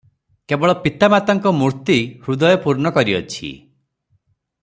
କେବଳ ପିତାମାତାଙ୍କ ମୂର୍ତ୍ତି ହୃଦୟ ପୂର୍ଣ୍ଣ କରିଅଛି ।